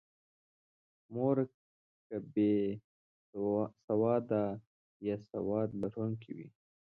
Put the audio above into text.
مور که بې سواده یا سواد لرونکې وي.